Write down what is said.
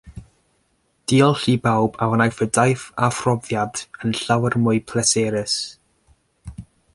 Diolch i bawb a wnaeth y daith a phrofiad yn llawer mwy pleserus